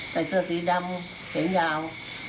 ใส่เสื้อสีดำเดี๋ยวยาว